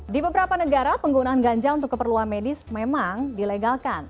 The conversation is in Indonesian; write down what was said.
di beberapa negara penggunaan ganja untuk keperluan medis memang dilegalkan